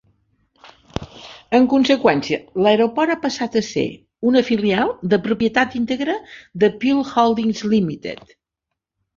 En conseqüència, l"aeroport ha passat a ser una filial de propietat íntegra de Peel Holdings Ltd.